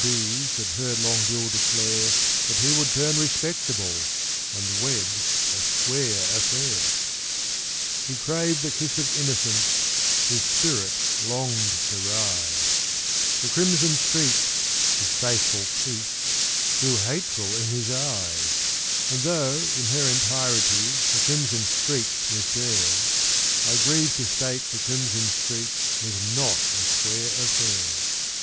's had heard Long Bill declare That he would turn respectable and wed a 'square affair.' He craved the kiss of innocence; his spirit longed to rise; The 'Crimson Streak,' his faithful 'piece,' grew hateful in his eyes; (And though, in her entirety, the Crimson Streak 'was there,' I grieve to state the Crimson Streak was not a 'square affair.